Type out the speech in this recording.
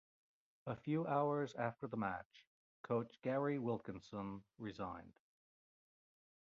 A few hours after the match, Coach Gary Wilkinson resigned.